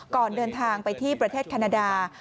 ก่อนเดินทางไปที่ประเทศแคนาดา